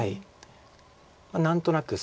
何となく。